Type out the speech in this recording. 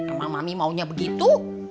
emang mami maunya begitu